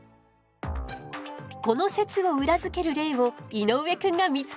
この説を裏付ける例を井之上くんが見つけたの。